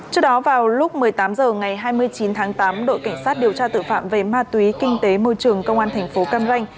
trước đó vào lúc một mươi tám h ngày hai mươi chín tháng tám đội cảnh sát điều tra tội phạm về ma túy kinh tế môi trường công an thành phố cam ranh